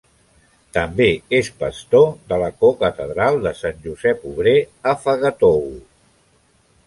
També és pastor de la cocatedral de Sant Josep Obrer a Fagatogo.